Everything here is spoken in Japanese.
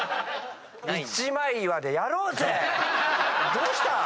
どうした？